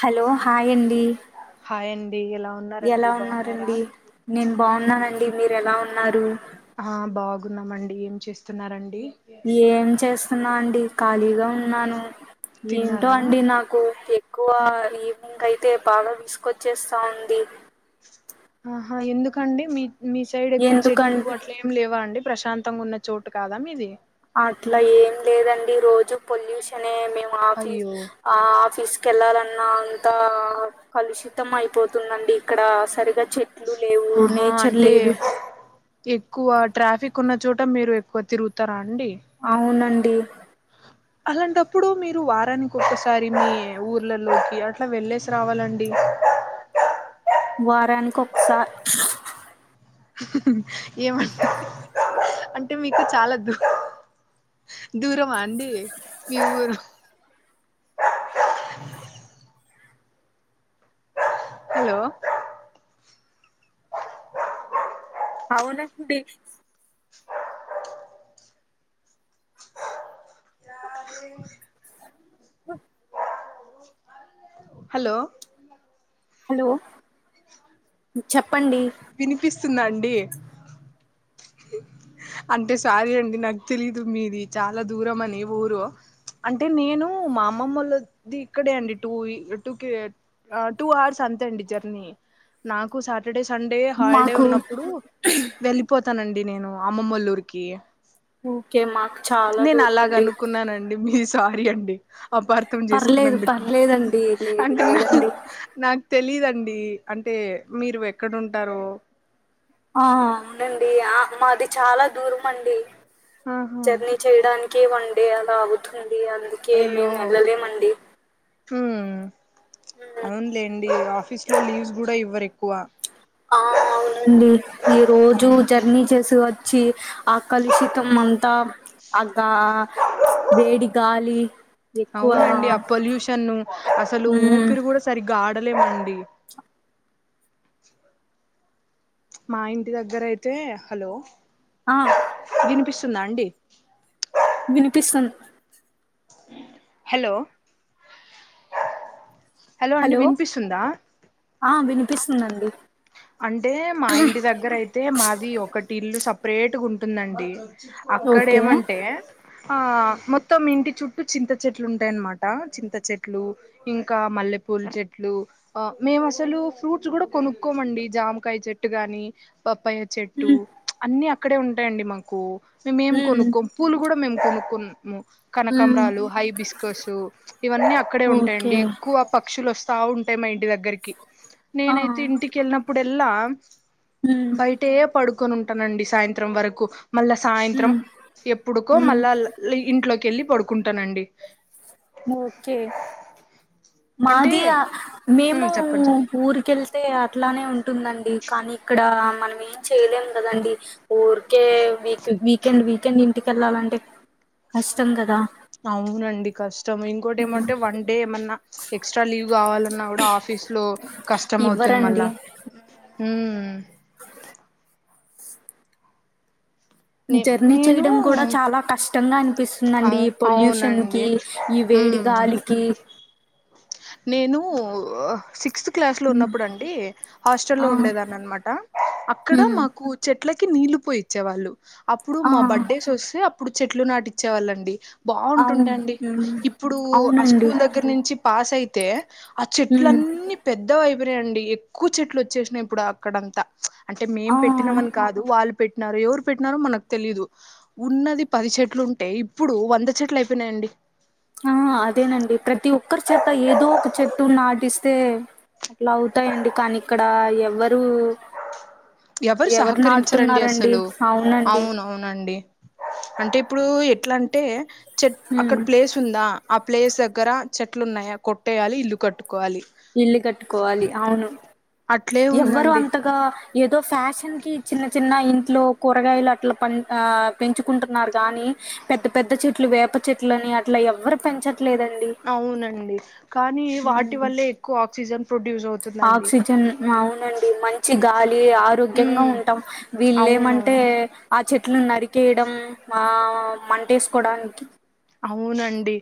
Hello hi అండి hi అండి ఎలా ఉన్నారండి ఎలా బాగున్నారా ఉన్నారండి నేను బాగున్నానండి మీరు ఎలా ఉన్న ఆ బాగున్నామండి ఏం చేస్తున్నండి ఏం చేస్తున్నా అండి ఖాళీగా ఉన్నాను ఏంటో తిన్నారా అండి నాకు ఎక్కువ ఈవినింగ్ అయితే పాలో వసుకొచ్చేస్తా ఉంది ఆహా ఎందుకండి మీ మీ సైడ్ ఎక్కువ చెట్లు ఎందుకంటే అట్ల ఏమి లేవా అండి ప్రశాంతంగా ఉన్న చోటు కాదా ఇది అట్లా ఏం లేదండి రోజు పొల్యూషనే మేము ఆఫీస్ అయ్యో ఆ ఆఫీస్ కి వెళ్ళాలన్నా అంతా కలుషితం అయిపోతుందండి ఇక్కడ సరిగా చెట్లు లేవు ఆహా నేచర్ అంటే లేదు ఎక్కువ ట్రాఫిక్ కున్న చోట మీరు ఎక్కువ తిరుగుతారా అండి టి అలాంటప్పుడు మీరు వారానికి ఒక్కసారి మీ ఊర్లలోకి అట్లా వెళ్లేేసి రావాలండి వారానికి ఒకసా ఏమంటారు అంటే మీకు చాలా దు దూరమా అండి మీ ఊరు [inaudible] హలో అవును నండి హ హలో హలో చెప్పండి వినిపిస్తుందండి అంటే సారీ అండి నాకు తెలీదు మీది చాలా దూరం అని ఊరు అంటే నేను మా అమ్మమ్మళది ఇక్కడే అండి టూ టూ కే టూ అవర్స్ అంతే అండి జర్నీ నాకుా సటర్డే సండే హాలిడే మాకు ఉన్నప్పుడు వెళ్ళిపోతానండి నేను అమ్మమల్లూర్కి ఓకే మాకు చాలా నేను దూరం అండి అలాగనుకున్నానండి మీ సారీ అండి అపార్థం పర్లేదు చేసుకున్నందుకు పర్లేదండి లేదు అంటే నా లేదండి నాకు తెలిదుంటే అండి అంటే మీరు ఎక్కడ ఉంటార ఆ అవునండి ఆ మాది చాలా దూరం అండి ఆహా జర్నీ చేయడానికి వన్ డే అలాగుతుంది అందుకే మేము వెళ్లలేమండి హ అవునులేండి ఆఫీస్ ఇంట్లో లీవ్స్ కూడా ఇవ్వరు ఎక్కువ ఆ అవునండి ఈ రోజు జర్నీ చేసు చ్చి ఆ కలుషితం అంతా ఆగా వేడి గాలి ఎక్కువ అవునండి ఆ పొల్యూషన్ అసలు మ్మ్ ఊపిరి కూడా సరిగ్గా ఆడలేమండి మా ఇంటి దగ్గర అయితే హలో ఆ తున అండి వినిపిస్తుద్ హలో అండి హలో వినిపిస్తుందా ఆ వినిపిస్తుందండి అంటే మా ఇంటి దగ్గర అయితే మాది ఒకటి ఇల్లు సాపరేట్ గా ఉంటుందండి అక్కడ ఓకే ఏమంటే ఆహ మొత్తం ఇంటి చుట్టూ చింత చెట్లు ఉంటాయన్నమాట చింత చెట్లు ఇంకా మల్లెపూల చెట్లు మేము అసలు ఫ్రూట్స్ కూడా కొనుక్కోమండి జామకాయ చెట్టు గాని పప్పాయ చెట్టు మ్మ్ అన్ని అక్కడే ఉంటాయండి మాకు మేమేం మ్మ్ కొనుక్కోము పూలు కూడా మేము కొనుక్కుము మ్మ్ కనకంబరాలు హై బిస్కర్స్ ఇవన్నీ అక్కడే ఓకే ఉంటాయండి ఎక్కువ పక్షులు వస్ బావుంటాయి మా ఇంటి దగ్గరికి ఆ నేనైతే ఇంటికి వెళ్ళినప్పుడు ఎల్లా మ్మ్ బయటే పడుకొని ఉంటానండి సాయంత్రం వరకు మళ్ళా సాయంత్రం మ్మ్ ఎప్పుడుకో మ్మ్ మళ్ళా ల లీ ఇంట్లోకి వెళ్ళి పడుకుంటానండి ఓకే అంటే మాది మేము ఉమ్ చెప్పండి చెప్పండి ఊరికెళ్తే అట్లానే ఉం టుందండి కానీ ఇక్కడ మనం ఏం చేయలేం కదండి ఊరికే వీక్ వీకెండ్ వీకెండ్ ఇంటికెళ్ళాలంటే కష్టం కదా అవును అండి కష్ ష్టమే ఇంకోటి ఏమంటే వన్ డే ఏమన్నా ఎక్సట్రా లీవ్ గా న్నా కూడా ఆఫీస్ లో కష్టం అవుతుంది మళ్ళా ఇవ్వరండి నే జర్నీ నేను చేయడం కూడా చాలా కష్టంగా అనిపిస్తుందండి అవు ఈ పొల్యూషన్ అవునండి కి ఈవే వేడి ఉమ్ గాలికి నేను సి సిక్స్త్ క్లాస్ లో హ్మ్. ఉన్నప్పుడండి హాస్టలో ఆ ఉండేదని అన్నమాట అక్కడ హ్మ్ మాకు చె ట్లకి నీళ్ళ పోయి ఇచ్చేవాళ్ళు అప్పుడు ఆ మా బడేస్ అస్తే అప్పుడు చెట్లు నాటిచ్చేవాళ్ళండి బాగుంటుండే అవును అండి హ్మ్ ఇప్పుడు ఆ అవునండి స్కూల్ దగ్గర నుంచి పాస్ అయితే ఆ చెట్ల హ్మ్ అన్ని పెద్దవైపోనాయండి ఎక్కువ చెట్లు వచ్చేసినాయి ఇప్పుడు అక్కడంతా అంటే మేం ఆ పెట్టినమని కాదు వాళ్ళు పెట్టిన ఎవరు పెట్టినారో మనకు తెలీదు ఉన్నది పది చెట్లు ఉంటే ఇప్పుడు వంద చెట్లు అయిపోయినాయండి. ఆ అదేనండి ప్రతి ఒక్కరి చేత ఏదో ఒక చెట్టు నాటిస్త్ స్తే అయితే అట్లా అవుతాయండి కానీ ఇక్కడ ఎవ్వరు ఎవరు సహకరించరండి నాటుతున్నారండి అసలు అవునండి అవునవునండి అంటే ఇప్పుడు ఎట్లా అంటే చెట్ల అక్కడ హ్మ్ ప్లేస్ ఉందా ప్లేస్ దగ్గర చెట్లు ఉన్నాయ కొట్టేయాలి ఇల్లు కట్టు కోవాలి ఇల్లు కట్టుకోవాలి అవును అట్లే ఉందండి. తో ఫ్యాషన్ కి చినచిన్న ఇ ట్లో కూరగాయలు అట్లా పెన్ ఆ పెంచుకుంటున్నారు గాని పెద్ద పెద్ద చెట్లు వేప చెట్లని అట్లా ఎవరు పెంచ అవునండి కానీ వాటి హ్మ్ వల్లే ఎక్కువ ఆక్సిజన్ ప్రొడ్యూస్ అవుతుందండి ఆక్సిజన్ అవునండి మంచి గాలి ఆరోగ్యంగా ఉమ్ ఉంటాం వీళ్ళలేమ అంటే అవునవును ఆ చెట్లు నరికేయడం ఆ మంటేసుకోడానికి అవునండి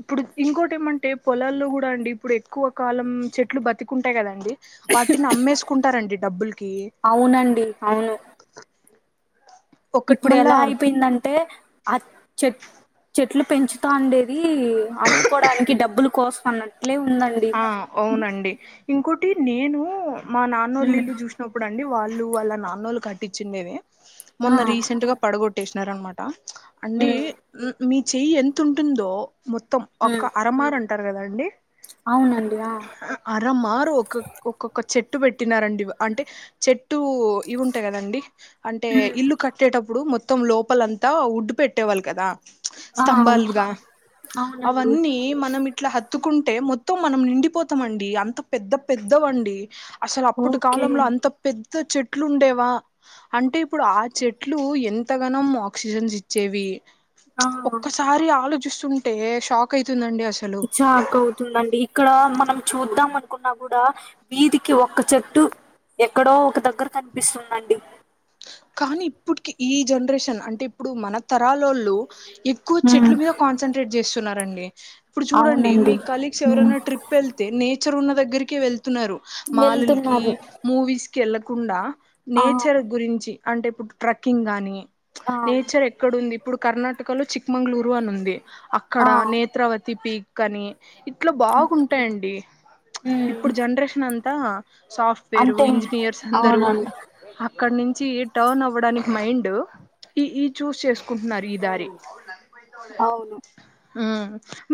ఇప్పుడు ఇంకోటి ఏమంటే పొలాల్లో కూడా అండి ఇప్పుడు ఎక్కువ కాలం చెట్లు బతికుంటాయి కదండి వాటిని అమ్మేసుకుంటారండి డబ్బులకి అవునండి అవును ఒక ఇప్పుడు మళ్ళా ఎలా అయిపోయిందంటే ఆ చె చెట్లు పెంచుతా వుండేది అమ్ముకోడానికి డబ్బులు కోసం అన్న ఆ అవునండి ఇంకోటి నేను మా నాన్నవోళ్ళు ఉమ్ ఇల్లు చూసినప్పుడు అండి వాళ్ ఇల్లు వాళ్ళ నాన్న వోళ్లు క ట్టిందే ఆ మొన్న రీసెంట్ గ పడగొట్టేస్నారనమాట అండి ఉమ్ మీ చెయ్యి ఎంత ఉంటుందో మొత్తం ఉమ్ ఒక అరమర్ అంటారు కదాండి అవునండి ఆ ఆరామారు ఒక ఒకొక్క చెట్ ట్టు పెట్టినారండి అంటే చెట్టు ఇవి ఉంటాయి కదండి అంటే ఉమ్ ఇల్లు కట్టేటప్ ఇప్పుడు మొత్తం లోపలంతా ఉడ్డు పెట్టేవాళ్ళు కదా ఆ స్తంభలుగా అవునండి అవన్నీ మనం ఇట్లా ఎత్తుకుంటే మొత్తం మనం నిండిపోతామండి అంత పెద్ద పెద్దవండి అసలు అప్పటి ఓకే కాలంలో అంత పెద్ద చెట్లు ఉండేవా అంటే ఇప్పుడు ఆ చెట్లు ఎంతగనం ఆక్సిజన్స్ ఇచ్చేవి ఆ ఒక్కసారి ఆలోచిస్తుంటే షాక్ అయితుందండి అసలు ఉందండి ఇక్కడ మనం చూద్దాం అనుకున్నా కూడా వీధికి ఒక్క చెట్టు ఎక్కడో ఒక దగ్గర కనిపిస్తుందండి కానీ ఇప్పుటికి ఈ జనరేషన్ అంటే ఇప్పుడు మన తరాల్లోలు ఎక్కువ హ్మ్ చెట్లు మీద కాన్సన్ట్రేట్ జేస్తున్నారండి. ఇప్పుడు చూడండి అవునండి మీ కలీగ్స్ హ్మ్ ఎవరైనా ట్రిప్ వెళ్తే నేచర్ ఉన్న దగ్గరికే వెళ్ తున్నారు మాలుల్కి వెళ్తున్నారు మూవీస్ కి ఎళ్ళకుండా ఆ నేచర్ గురించి అంటే ఇప్పుడు ట్రక్కింగ్ గానీ ఆ నేచర్ ఎక్కడ ఉంది ఇప్పుడు కర్ణాటకలో చిక్మంగ్ళూరు అని ఉంది అక్కడ ఆ నేత్రవతి పీక్ అని ఇట్లా ఓకే బాగుంటాయండి హ్మ్ ఇప్పుడు జనరేషన్ అంతా సాఫ్ట్వేర్ అంటే ఇంజనీయర్స్ అందరు అవునండి అక్కడ నించి టర్న్ అవ్వడానికి మైండ్ ఈ ఈ చూస్ చేసుకుంటున్నారు ఈ దారి అవును ఉమ్మ్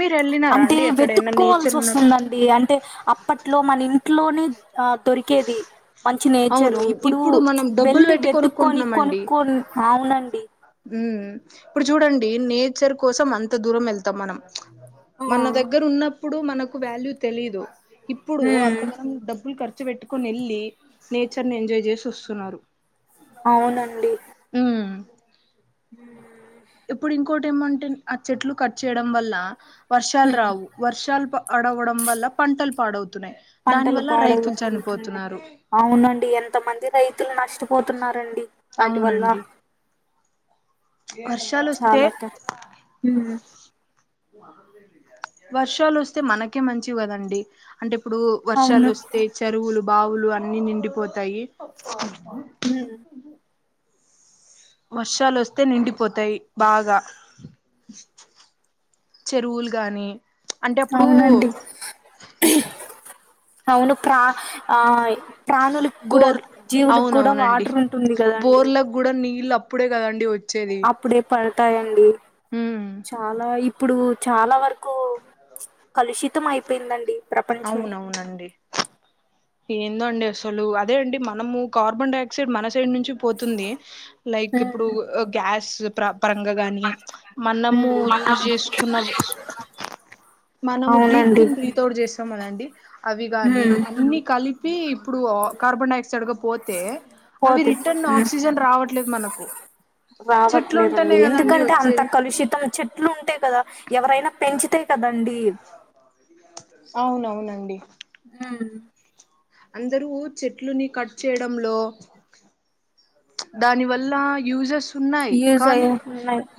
అంటే వెతుక్కోవాల్సి వస్తుందండి అంటే అప్పట్లో మన ఇంట్లోనే ఆ దొరికేది మంచి నేచర్ అవును ఇప్పుడు మనం డబ్బులు వెళ్లి పెట్టి వెతుక్కొని కొనుక్కుంటున్నామండి కొనుక్కొని అవున హ్మ్మ్ ఇప్పుడు చూడండి నేచర్ కోసం అంత దూరం వెళ్తాం మనం మన ఆ దగ్గర ఉన్నప్పుడు మనకు వాల్యూ తెలీదు ఇప్పుడు హ్మ్ అంతగనం డబ్బులు ఖర్ ర్చు పెట్టుకొని ఎళ్ళి నేచర్ ని ఎంజాయ్ చేసి వస్తున్నారు అవునండి ఉమ్ ఇప్పుడు మ్ ఇంకోటి ఏమంటే ఆ చెట్లు కట్ చేయడం వల్ల వర్షాలు రావు వర్షాలు ప డవడం వల్ల పంటలు పాడవు పంటలు పాడవ్ పోతున్నాయి అవునండి ఎంత మంది రైతులు నష్టపోతున్నారండి వాటి వల్ల అవునండి వర్షాలు వస్తే చాల మ్ వర్షాలు వస్తే మనకే మంచివి కదండి అంటే ఇప్పుడు వర్షాలు అవును వస్తే చెరువులు బావులు అన్ని నిండిపోతాయి ఉమ్ వర్షాలు వస్తే నిండిపోతాయి బాగా చెరువులు గాని అంటే అప్పుడు అవునండి అవును ప్రా ఆ ప్రాణులకు కూడా బోర్ జీవులకు కూడా అవునవునండి వాటర్ ఉంటుంది కదండి బోర్లల్గూడా నీళ్ళు అప్పుడే కదండి వ అప్పుడే పడతాయండి ఉమ్ చాలా ఇప్పుడు చాలా వరకు కలుషితం అయిపోయిందండి. ప్రపంచం అవునవునండి ఏందో అండి అసలు అదే అండి మనము కార్బన్ డైఆక్సైడ్ మన ైడ్ నుంచి పోతుంది లైక్ హ్మ్ ఇప్పుడు గ్యాస్ ప్ర పరంగా గాని మనము హ్మ్ యూజ్ చేసుకున్న మనము అవునండి బ్రీతింగ్ దీని తోటి చేస్త ఏమోనండి అవి కాగాని హ్మ్ అన్ని కలిపి ఇప్పుడు కార్బన్ డై ఆక్సైడ్ పోతే అవి పోతే రిటర్న్ ఆక్సిజన్ రావట్లేదు మనకు చెట్లు రావట్లేదండి ఉంటేనే కదండి ఎందుకంటే అంత వచ్చేది కలుషితం చెట్లు ఉంటాయి కదా ఎవరైనా పెంచితేా కదా కదండీ అవునవునండి. హమ్ అందరూ చెట్లుని కట్ చేయడంలో దాని వల్ల యూసెస్ ఉన్నాయి యూస్ కానీ అయ్యే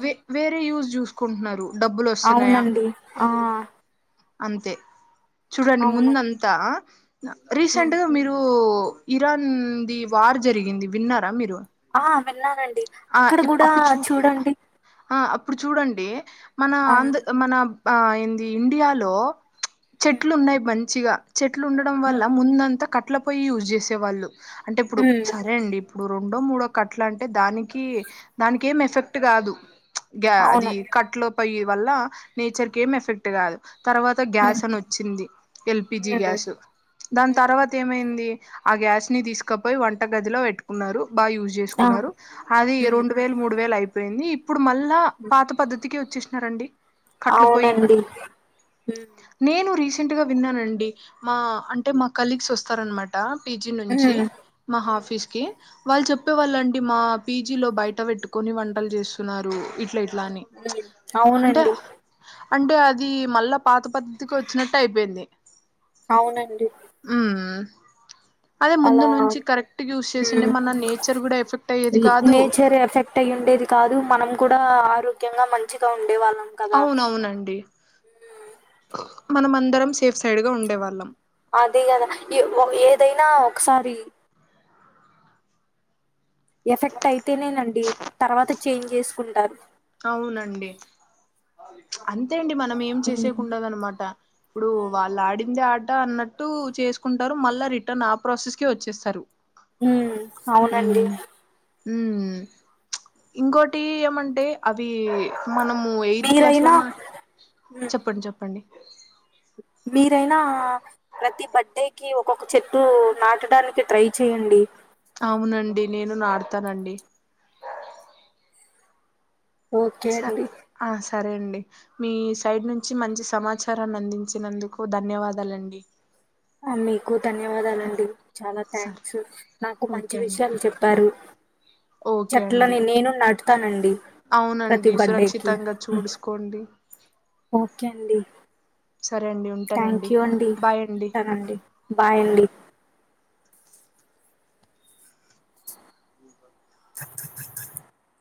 వే వేరే యూస్ యూస్ చూసుకుంటున్నారు డబ్బులు వస్తున్నాయా అవునండి ఆ అంతే చూడండి అవును ముందంతా రీసెంట్గా మీరు ఇరాన్ ది వార్ జరిగింది విన్నారా మీరు ఆహ్ విన్నానండి ఆహ్ అక్కడ కూడా అబ్బా చూడు చూడండి ఇప్పుడు చూడండి మన అవును ఆంధ్ర మన ఏది ఇండియాలో చెట్లు ఉన్నాయి మంచిగా చెట్లు ఉండడం వల్ల ఉమ్ ముందంతా కట్ట కట్ల పోయి యూజ్ చేసేవాళ్ళు అంటే ఇప్పుడు ఉమ్, సరే అండి ఇప్పుడు రెండో మూడో కట్ల అంటే దానికి దానికి ఏమి ఎఫెక్ట్ కాదు, యా అది అవును కట్లు పొయి వల్ల నేచర్ కి ఏం ఎఫెక్ట్ కాదు తర్వాత గ్యాస్ ఉమ్, అని వచ్చింది ఎల్పిజి ఉమ్, గ్యాస్ దాని ఉమ్, తర్వాత ఏమైంది ఆ గ్యాస్ ని తీసుకపోయి వంట గదిలో పెట్టుకున్నారు బాగా యూజ్ ఆ చేసుకున్నారు అది ఉమ్, రెండు వేలు మూడు వేలు అయిపోయింది ఇప్పుడు మళ్ళా పాత పద్ధతికి వచ్చేసినారండి కట్లుపోయి అవునండి ఉమ్, నేను రీస రీసెంట్గా విన్నానండి మా అంటే మా కలీగ్స్ వస్తారనమాట పీజి ఉమ్, నుంచి ఉమ్, మా ఆఫీస్ కి వాళ్ళు చెప్పేవాళ్ళండి మా పీజీ లో బయట పెట్టుకొని వంటలు చేస్తున్నారు ఇట్లా ఇట్లా అని అంటే అవునండి అంటే అది మళ్ళా పాత పద్ధతికి వచ్చినట్లు అయిపోయింది అవునండి ఉమ్ అదే ముందు నుంచి అలా కరెక్ట్ యూజ్ చేసిండే హ్మ్. మన నేచర్ కూడా ఎఫెక్ట్ అయ్యేది న్ కాదు నేచర్ ఎఫెక్ట్ అయి ఉండేది కాదు మనం కూడా ఆరోగ్యంగా మంచిగా ఉండ అవునవునండి మనం అందరం సేఫ్ సైడ్గా ఉండేవాళ్ళం అది కదా ఏదైనా ఒకసారి ఎఫెక్ట్ అయితేనేనండి తర్వాత చేంజ్ చేసుకుంటారు అవునండి చిప్ అంత అంతే అండి మనం ఏం హ్మ్. చేసేకు ఉండదనమాట ఇప్పుడు అవును. వాళ్ళు ఆడిందే ఆ ఆట అన్నట్టు చేసుకుంటారు మళ్ళా రిటర్న్ ఆ ప్రాసెస్ కి వచ్చేస్తారు హమ్ అవునండి ఉమ్ ఉమ్ ఇంకోొటి ఏమంటే అవి మనము ఎయిత్ క్లాస్ లో మీరైనా చెప్పండి చెప్పండి మీరైనా ప్రతి బర్త్డేకి ఒక్కొక్క చెట్టు నాటడానికి ట్రై చేయండి అవునండి నేను నాడతానండి ఓకే స అండి ఆ సరే అండి మీ సైడ్ నుంచి మంచి సమాచారాన్ని అందించినందుకు ధన్యవాదాలండి మీకు ధన్యవాదాలండి చాలా సరే థ్యాంక్స్ నాకు మంచి ఓకే అండి విషయాలు చెప్పారు ఓకే చెట్లని అండి నేను నాటుతానండి ప్రతి అవునండి బర్డేకి సురక్షితంగా చూడుసుకోండి ఓకే అండి సరే అండి థ్యాంక్ ఉంటానండి యూ అండి బాయ్ అండి అంటానండి బాయ్ అండి బ త